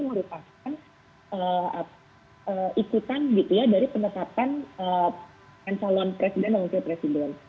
menurut saya kan ikutan gitu ya dari pendetapan pasangan saluran presiden dan wakil presiden